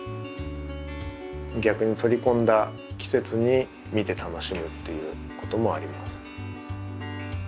逆に取り込んだ季節に見て楽しむっていうこともあります。